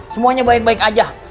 semuanya baik baik saja